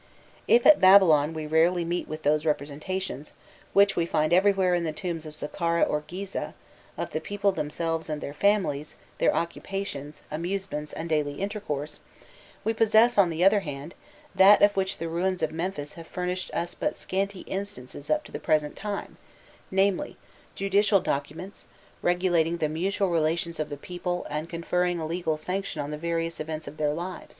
If at Babylon we rarely meet with those representations, which we find everywhere in the tombs of Saqqara or Gizeh, of the people themselves and their families, their occupations, amusements, and daily intercourse, we possess, on the other hand, that of which the ruins of Memphis have furnished us but scanty instances up to the present time, namely, judicial documents, regulating the mutual relations of the people and conferring a legal sanction on the various events of their life.